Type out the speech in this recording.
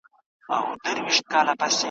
ستا نوم ته یې لیکمه چی منې یې او که نه `